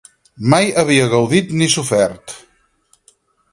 Mai havia gaudit ni sofert